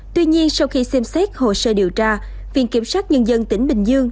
tuy nhiên sau khi xem xét hồ sơ điều tra viện kiểm sát nhân dân tỉnh bình dương